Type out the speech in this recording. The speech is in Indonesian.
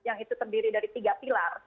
yang itu terdiri dari tiga pilar